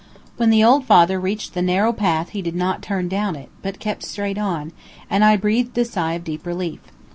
When the old father reached the narrow path he did not turn down it, but kept straight on, and I breathed a sigh of deep relief.